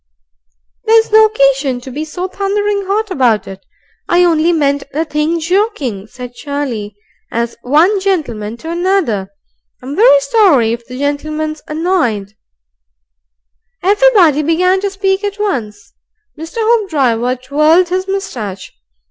"There's no occasion to be so thunderin' 'ot about it. I only meant the thing joking," said Charlie. "AS one gentleman to another, I'm very sorry if the gentleman's annoyed " Everybody began to speak at once. Mr. Hoopdriver twirled his moustache.